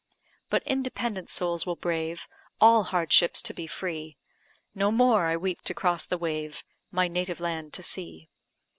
But independent souls will brave All hardships to be free; No more I weep to cross the wave, My native land to see.